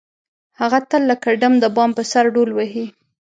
هغه تل لکه ډم د بام په سر ډول وهي.